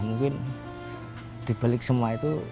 mungkin dibalik semua itu